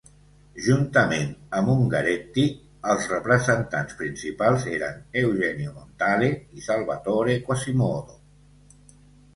Juntament amb Ungaretti, els representants principals eren Eugenio Montale i Salvatore Quasimodo.